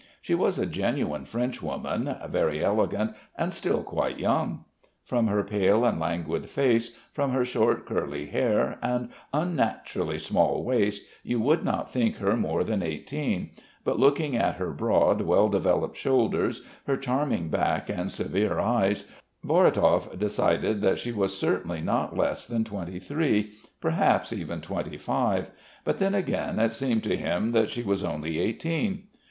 She was a genuine Frenchwoman, very elegant, and still quite young. From her pale and languid face, from her short, curly hair and unnaturally small waist, you would not think her more than eighteen, but looking at her broad, well developed shoulders, her charming back and severe eyes, Vorotov decided that she was certainly not less than twenty three, perhaps even twenty five; but then again it seemed to him that she was only eighteen.